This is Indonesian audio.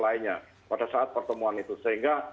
lainnya pada saat pertemuan itu sehingga